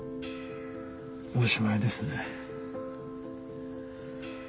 おしまいですね。